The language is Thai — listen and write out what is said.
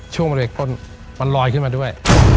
บริเวณต้นมันลอยขึ้นมาด้วย